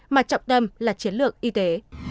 mà trọng tâm là chiến lược y tế